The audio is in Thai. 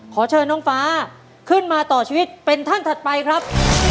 ขอเชิญน้องฟ้าขึ้นมาต่อชีวิตเป็นท่านถัดไปครับ